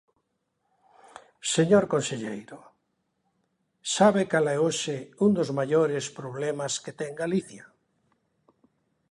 Señor conselleiro, ¿sabe cal é hoxe un dos maiores problemas que ten Galicia?